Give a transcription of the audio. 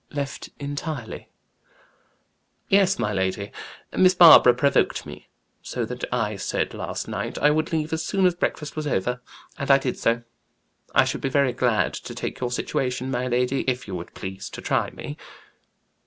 "Left entirely?" "Yes, my lady. Miss Barbara provoked me so, that I said last night I would leave as soon as breakfast was over. And I did so. I should be very glad to take your situation, my lady, if you would please to try me."